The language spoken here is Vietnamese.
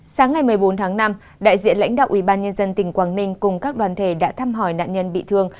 sáng ngày một mươi bốn tháng năm đại diện lãnh đạo ubnd tỉnh quảng ninh cùng các đoàn thể đã thăm hỏi nạn nhân bị thương